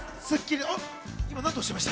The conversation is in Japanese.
『スッキリ』は。